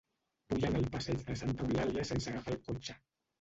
Vull anar al passeig de Santa Eulàlia sense agafar el cotxe.